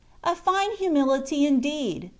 A fine humility indeed !